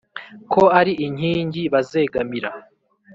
Ko ari inkingi bazegamira.